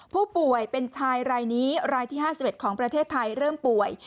ผู้ป่วยเป็นชายรายนี้รายที่๕๑ของประเทศไทยเริ่มป่วย